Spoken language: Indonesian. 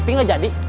tapi gak jadi